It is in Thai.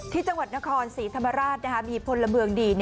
ที่จังหวัดนครศรีธรรมราชมีพลเมืองดี